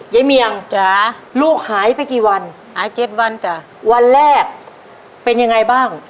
ยายเมียงลูกหายไปกี่วันวันแรกเป็นยังไงบ้าง